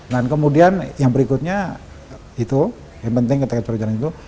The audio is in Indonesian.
dan kemudian yang berikutnya itu yang penting ketika perjalanan itu